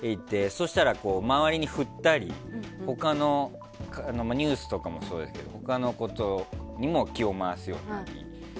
そうしたら周りに振ったり他のニュースとかもそうだけど他のことにも気を回すようになり。